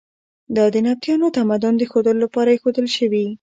دا د نبطیانو تمدن د ښودلو لپاره ایښودل شوي.